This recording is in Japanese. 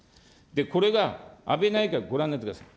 これが安倍内閣、ご覧になってください。